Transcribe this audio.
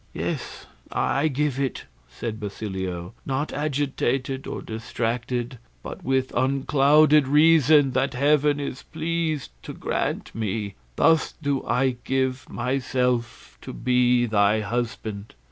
"Yes, I give it," said Basilio, "not agitated or distracted, but with unclouded reason that heaven is pleased to grant me, thus do I give myself to be thy husband."